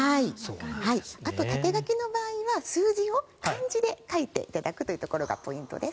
あと縦書きの場合は数字を漢字で書いていただくというところがポイントです。